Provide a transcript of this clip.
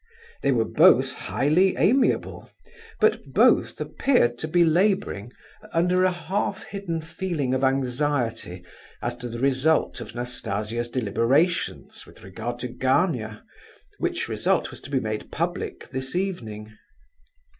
They were both highly amiable, but both appeared to be labouring under a half hidden feeling of anxiety as to the result of Nastasia's deliberations with regard to Gania, which result was to be made public this evening.